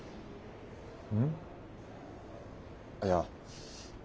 うん？いや。